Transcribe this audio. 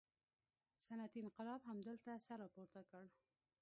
صنعتي انقلاب همدلته سر راپورته کړ.